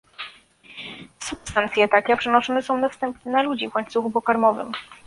Substancje takie przenoszone są następnie na ludzi w łańcuchu pokarmowym